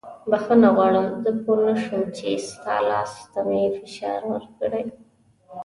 بښنه غواړم زه پوه نه شوم چې ستا لاس ته مې فشار ورکړی.